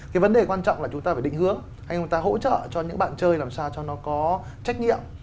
cái vấn đề quan trọng là chúng ta phải định hướng hay chúng ta hỗ trợ cho những bạn chơi làm sao cho nó có trách nhiệm